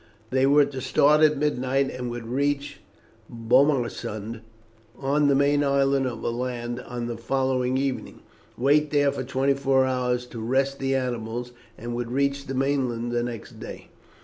They were to start at midnight, and would reach Bomarsund, on the main island of Aland, on the following evening, wait there for twenty four hours to rest the animals, and would reach the mainland the next day.